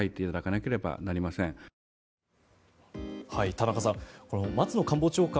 田中さん松野官房長官